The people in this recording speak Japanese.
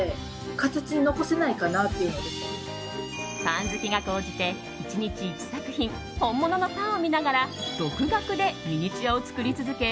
パン好きが高じて１日１作品本物のパンを見ながら独学でミニチュアを作り続け